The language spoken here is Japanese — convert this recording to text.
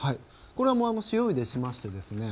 これは塩ゆでしましてですね